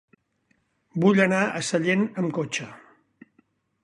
Vull anar a Sellent amb cotxe.